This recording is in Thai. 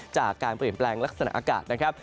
จากการเปลี่ยนแปลงลักษณะอากาศนะครับ